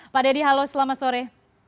pak dedy halo selamat sore